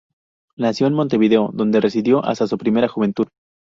Nació en Montevideo donde residió hasta su primera juventud.